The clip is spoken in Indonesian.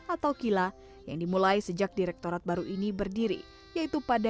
atau kila yang dimulai sejak direktorat baru ini berdiri yaitu pada dua ribu dua puluh